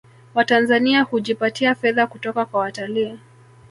Watanzania hujipatia fedha kutoka kwa watalii